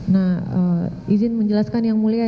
nah izin menjelaskan yang mulia